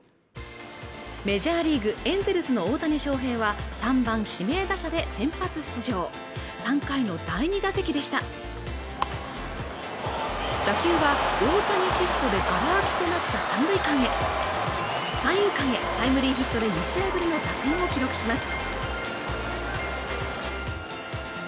メジャーリーグエンゼルスの大谷翔平は３番指名打者で先発出場３回の第２打席でした打球は大谷シフトでがらあきとなった三遊間へタイムリーヒットで２試合ぶりの打点を記録します